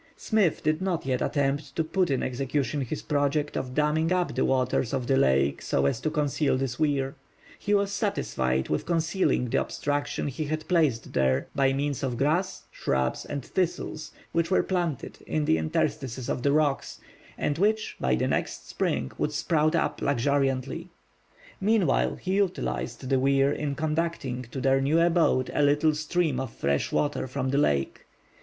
Smith did not yet attempt to put in execution his project of damming up the waters of the lake so as to conceal this weir; he was satisfied with concealing the obstruction he had placed there by means of grass, shrubs, and thistles, which were planted in the interstices of the rocks, and which by the next spring would sprout up luxuriantly. Meanwhile he utilized the weir in conducting to their new abode a little stream of fresh water from the lake.